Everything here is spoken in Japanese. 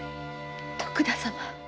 徳田様！